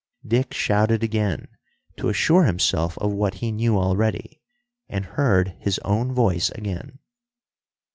Dick shouted again, to assure himself of what he knew already, and heard his own voice again.